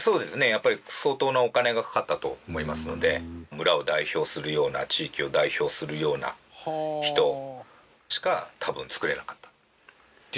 やっぱり相当なお金がかかったと思いますので村を代表するような地域を代表するような人しか多分作れなかったっていう風に思いますけど。